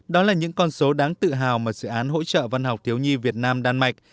đó là những con số đáng tự hào mà dự án hỗ trợ văn học thiếu nhi việt nam đan mạch